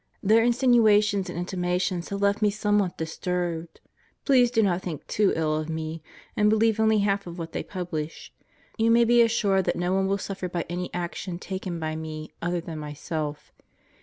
Their insinuations and intimations have left me somewhat disturbed. Please do not think too ill of me, and believe only half of what they publish. You may be assured that no one will suffer by any action taken by me other than myself.